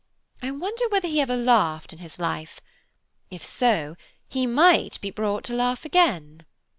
I wonder whether he ever laughed in his life? If so, he might be brought to laugh again."